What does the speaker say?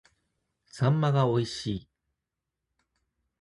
秋刀魚が美味しい